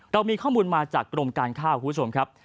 เรามีข้อมูลมาจากกรมการข้าวคุณผู้ชมครับ